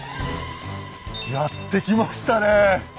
やって来ましたねえ！